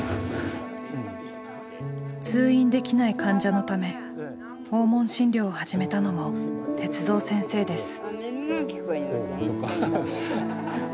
通院できない患者のため訪問診療を始めたのも鉄三先生です。